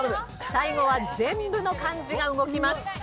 最後は全部の漢字が動きます。